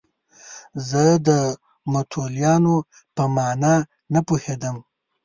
زه د متولیانو په معنی نه پوهېدم.